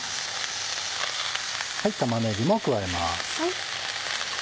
玉ねぎも加えます。